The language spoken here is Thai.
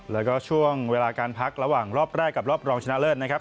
แล้วก็ช่วงเวลาการพักระหว่างรอบแรกกับรอบรองชนะเลิศนะครับ